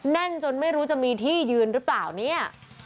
แน่นจนไม่รู้จะมีที่ยืนหรือเปล่าเนี่ย